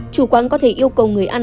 chủ quán có thể yêu cầu người ăn